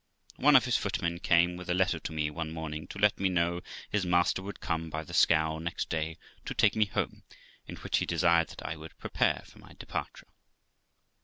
One of his footmen came with a letter to me one morning, to let me know his master would come by the scow next day to take me home, in which he desired that I would prepare for my departure.